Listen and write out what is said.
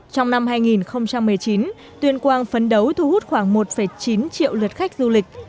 trong năm hai nghìn một mươi chín tuyên quang phấn đấu thu hút khoảng một chín triệu lượt khách du lịch